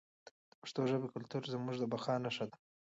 د پښتو ژبې کلتور زموږ د بقا نښه ده.